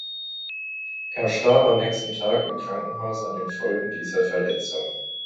Er starb am nächsten Tag im Krankenhaus an den Folgen dieser Verletzungen.